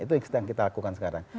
itu yang kita lakukan sekarang